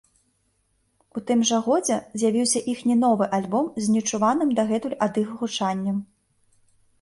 У тым жа годзе з'явіўся іхні новы альбом з нечуваным дагэтуль ад іх гучаннем.